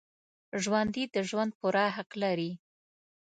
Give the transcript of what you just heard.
ژوندي د ژوند پوره حق لري